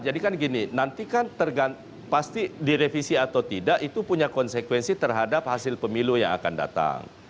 jadi kan gini nanti kan tergant pasti direvisi atau tidak itu punya konsekuensi terhadap hasil pemilu yang akan datang